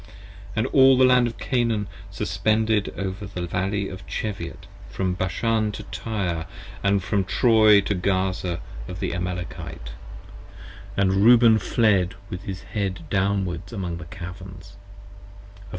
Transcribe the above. And all the Land of Canaan suspended over the Valley of Cheviot, From Bashan to Tyre & from Troy to Gaza of the Amalekite: 74 44 And Reuben fled with his head downwards among the Caverns p. 64.